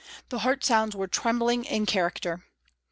The heart sounds were ' trembling ' in character.